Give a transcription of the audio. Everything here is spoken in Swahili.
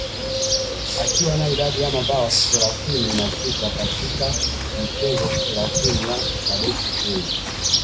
akiwa na idadi ya mabao thelathini na sita katika michezo thelathini ya kadet A